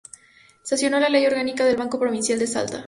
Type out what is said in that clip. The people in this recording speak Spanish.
Sancionó la ley orgánica del Banco Provincial de Salta.